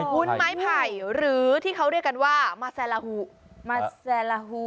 อ๋อวุ้นไม้ไผ่หรือที่เขาเรียกกันว่ามาแซลาฮู